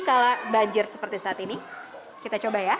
kalau banjir seperti saat ini kita coba ya